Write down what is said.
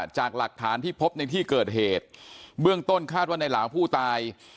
จากหลักฐานที่พบในที่เกิดเหตุเบื้องต้นคาดว่าในหลาวผู้ตาย